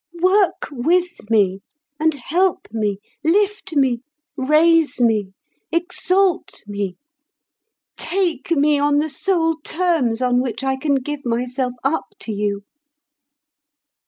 Work with me, and help me. Lift me! raise me! exalt me! Take me on the sole terms on which I can give myself up to you."